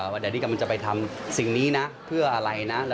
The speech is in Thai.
ว่าเดี๋ยวที่กำลังจะไปทำสิ่งนี้นะเพื่ออะไรนะ